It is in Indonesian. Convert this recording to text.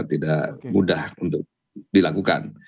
tidak mudah untuk dilakukan